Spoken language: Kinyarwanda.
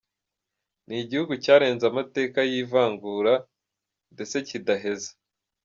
“Ni igihugu cyarenze amateka y’ivangura ndetse kidaheza.